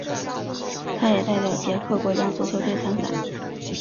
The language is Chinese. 他也代表捷克国家足球队参赛。